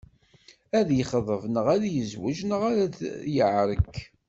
Ad yexḍeb neɣ ad yezweǧ, neɣ ar t-yeɛrek.